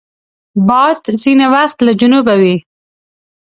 باد ځینې وخت له جنوبه وي